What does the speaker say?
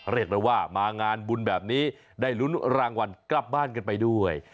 เรียกได้ว่ามางานบุญแบบนี้ได้ลุ้นรางวัลกลับบ้านกันไปด้วย